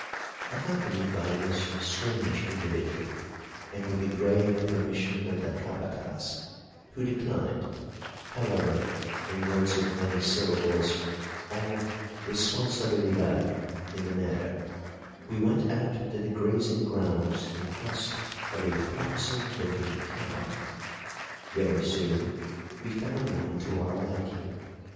Accompanied by this strange individual, and with the grave permission of the capatas, who declined, however, in words of many syllables, all responsabilidad in the matter, we went out to the grazing grounds in quest of a promising looking cow. Very soon we found one to our liking.